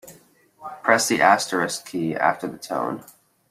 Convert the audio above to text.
Press the asterisk key after the tone.